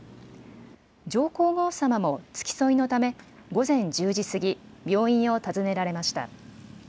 上皇后さまも付き添いのため、午前１０時過ぎ、病院を訪ねられました。